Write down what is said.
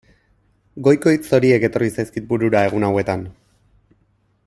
Goiko hitz horiek etorri zaizkit burura egun hauetan.